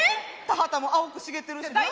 田畑も青く茂ってるしな。